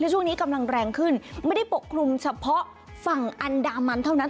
ช่วงนี้กำลังแรงขึ้นไม่ได้ปกคลุมเฉพาะฝั่งอันดามันเท่านั้น